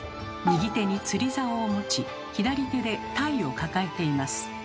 右手に釣りざおを持ち左手でタイを抱えています。